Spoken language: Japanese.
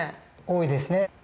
多いですね。